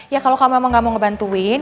ya kalau kamu emang gak mau ngebantuin